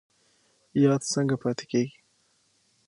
یاد څنګه پاتې کیږي؟